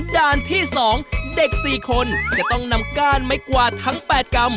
ด้านที่๒เด็ก๔คนจะต้องนำก้านไม้กวาดทั้ง๘กรัม